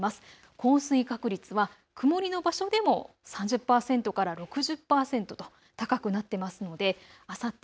降水確率は曇りの場所でも３０％から６０％と高くなってますのであさって